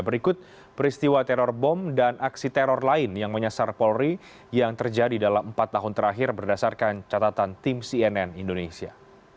berikut peristiwa teror bom dan aksi teror lain yang menyasar polri yang terjadi dalam empat tahun terakhir berdasarkan catatan tim cnn indonesia